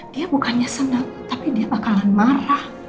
dia bukannya senang tapi dia bakalan marah